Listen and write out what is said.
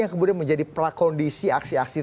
yang kemudian menjadi prakondisi aksi aksi